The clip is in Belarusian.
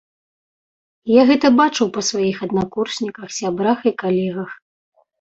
Я гэта бачыў па сваіх аднакурсніках, сябрах і калегах.